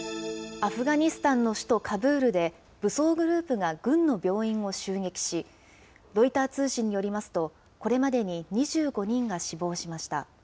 アフガニスタンの首都カブールで、武装グループが軍の病院を襲撃し、ロイター通信によりますと、これまでに２５人が死亡しました。